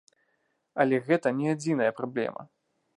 Але гэта не адзіная праблема.